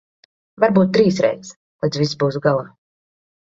Varbūt trīsreiz, līdz viss būs galā.